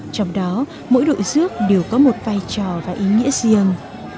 trong đó mỗi đội dước đều có một vai trò và ý nghĩa riêng